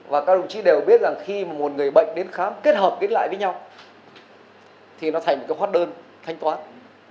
và các đồng chí đều biết rằng khi một người bệnh đến khám kết hợp kết lại với nhau thì nó thành một cái hoát đơn thanh toán